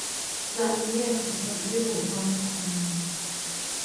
زمینهی اقتصادی بحران کنونی